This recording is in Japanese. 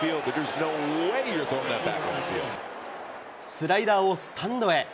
スライダーをスタンドへ。